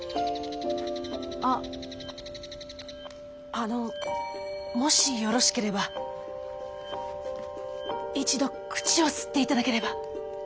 あのもしよろしければ一度口を吸って頂ければ！